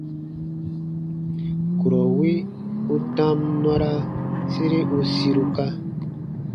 Kurɔ wi u tam nɔra sere u siruka.